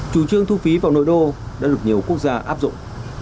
chủ trương thu phí vào nội đô đã được nhiều quốc gia áp dụng